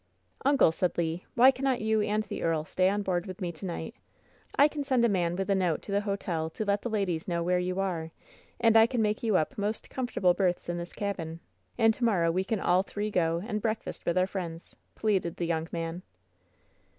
^TJncle/' said Le, "why cannot you and the earl stay on board with me to night? I can send a man with a note to the hotel to let the ladies know where you are^ and I can make you up most comfortable berths in this cabin. And to morrow we can all three go and breakfast with our friends,^' pleaded the young man.